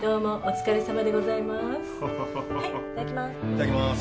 いただきます。